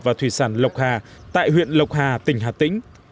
và thủy sản lộc hà tại huyện lộc hà tỉnh hà tĩnh